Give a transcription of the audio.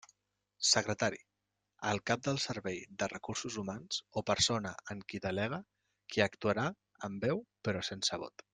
Secretari: el cap del servei de Recursos Humans o persona en qui delega, qui actuarà amb veu però sense vot.